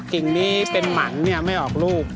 กิ่งนี้เป็นหมันไม่ออกลูก